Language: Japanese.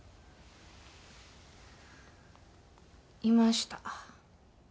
いました。